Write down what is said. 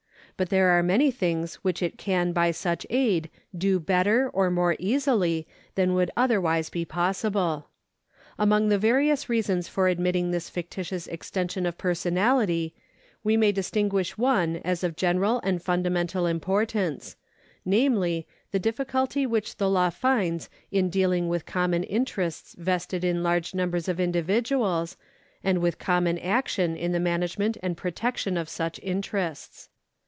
But there are many things which it can by such aid do better or more easily than would otherwise be possible. Among the various reasons for admitting this fictitious extension of personality, we may distinguish one as of general and fundamental importance, namely, the difficulty which the law finds in dealing with common interests vested in large numbers of individuals and with common action in the management and protection of such interests.